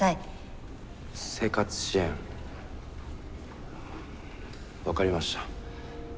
生活支援分かりました。